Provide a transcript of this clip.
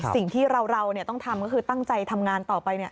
สิ่งที่เราต้องทำก็คือตั้งใจทำงานต่อไป